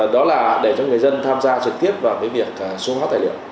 đó là để cho người dân tham gia trực tiếp vào việc số hóa tài liệu